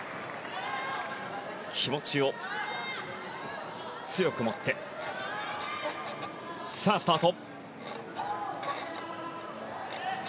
気持ちを強く持ってスタート。